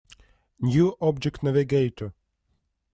New Object Navigator.